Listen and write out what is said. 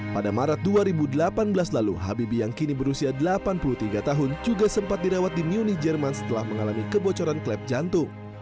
pada maret dua ribu delapan belas lalu habibie yang kini berusia delapan puluh tiga tahun juga sempat dirawat di munie jerman setelah mengalami kebocoran klep jantung